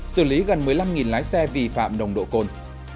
xử lý gần một mươi năm lái xe vi phạm nồng độ cồn